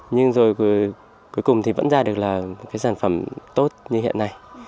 nhưng rồi cuối cùng thì vẫn ra được là cái sản phẩm tốt như hiện nay